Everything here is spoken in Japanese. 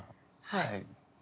はい。